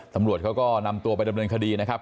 ตำรวจเขาก็นำตัวไปดำเนินคดีนะครับ